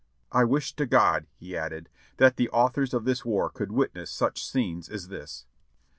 "I wish to God," he added, "that the authors of this war could witness such scenes as this!"